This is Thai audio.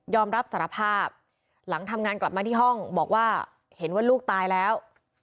รับสารภาพหลังทำงานกลับมาที่ห้องบอกว่าเห็นว่าลูกตายแล้ว